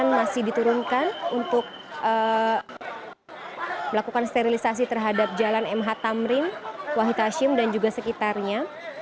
yang masih diturunkan untuk melakukan sterilisasi terhadap jalan mh tamrin wahid hashim dan juga sekitarnya